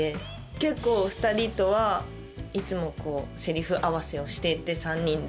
結構２人とはいつもセリフ合わせをしていて３人で。